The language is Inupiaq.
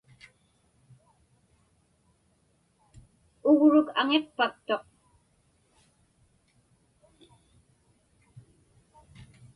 Ugruk aŋiqpaktuq.